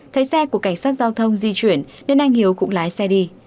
thấy xe của cảnh sát giao thông di chuyển nên anh hiếu cũng lái xe đi